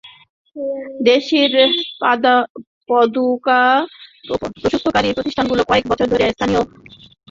দেশীয় পাদুকা প্রস্তুতকারী প্রতিষ্ঠানগুলো কয়েক বছর ধরেই স্থানীয় বাজারে নিজেদের ব্যবসা বাড়াচ্ছে।